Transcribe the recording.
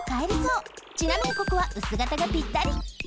ちなみにここはうすがたがぴったり。